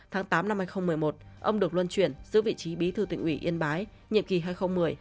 tháng tám hai nghìn một mươi một ông được luân chuyển giữ vị trí bí thư tỉnh ủy yên bái nhiệm kỳ hai nghìn một mươi hai nghìn một mươi năm